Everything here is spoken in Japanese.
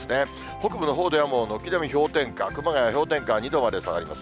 北部のほうではもう軒並み氷点下、熊谷は氷点下２度まで下がります。